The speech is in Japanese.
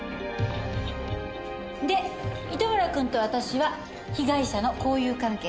で糸村君と私は被害者の交友関係。